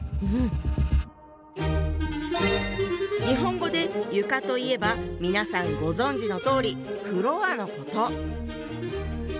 日本語で「床」といえば皆さんご存じのとおり「フロア」のこと。